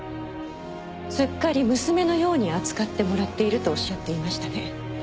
すっかり娘のように扱ってもらっているとおっしゃっていましたね。